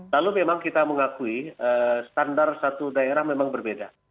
lalu memang kita mengakui standar satu daerah memang berbeda